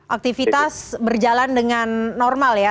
aktivitas berjalan dengan normal ya